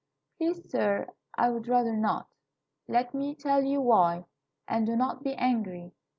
"Please, sir, I would rather not. Let me tell you why, and do not be angry.